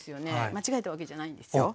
間違えたわけじゃないんですよ。